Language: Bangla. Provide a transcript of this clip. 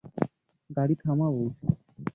গাড়ি থামাও বলছি।